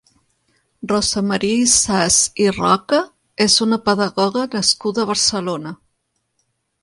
Rosa Maria Ysàs i Roca és una pedagoga nascuda a Barcelona.